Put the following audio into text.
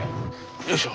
よいしょ！